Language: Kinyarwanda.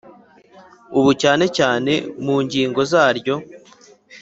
ubu cyane cyane mu ngingo zaryo